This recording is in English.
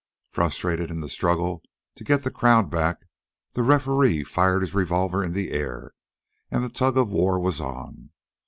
Frustrated in the struggle to get the crowd back, the referee fired his revolver in the air, and the tug of war was on.